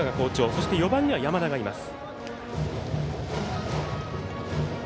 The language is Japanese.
そして、４番には山田がいます。